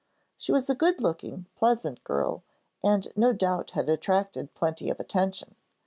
She was a good looking, pleasant girl, and no doubt had attracted plenty of attention.